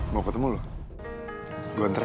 mau ketemu lo gue ntar ya